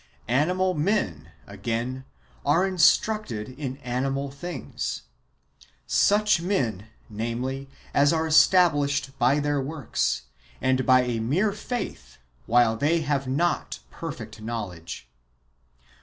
Animal men, again, are instructed in animal things ; such men, namely, as are established by their w^orks, and by a mere faith, while they have not perfect knowledge.